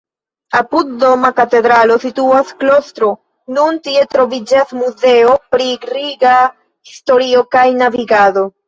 Apud Doma Katedralo situas klostro, nun tie troviĝas Muzeo pri Riga historio kaj navigado.